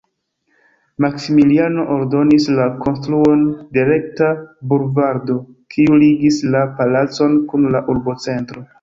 Maksimiliano ordonis la konstruon de rekta bulvardo, kiu ligis la palacon kun la urbocentro.